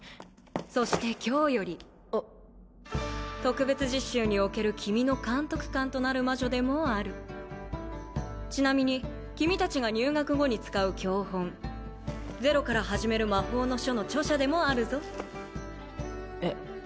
そして今日よりあっ特別実習における君の監督官となる魔女でもあるちなみに君達が入学後に使う教本ゼロから始める魔法の書の著者でもあるぞえっ？